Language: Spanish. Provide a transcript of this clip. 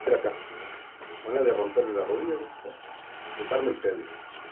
En la segunda parte, el partido siguió la misma tónica.